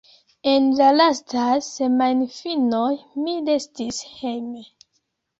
En la lastaj semajnfinoj, mi restis hejme.